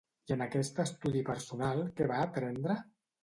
I en aquest estudi personal, què va aprendre?